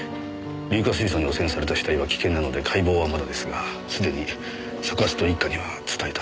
硫化水素に汚染された死体は危険なので解剖はまだですがすでに所轄と一課には伝えたそうです。